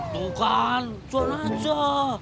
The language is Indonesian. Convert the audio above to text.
tuh kan su jono aja